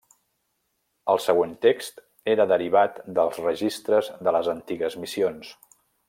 El següent text era derivat dels registres de les antigues missions.